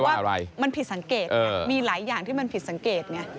แต่เจ้าหน้าที่บอกว่ามันผิดสังเกตมีหลายอย่างที่มันผิดสังเกตไง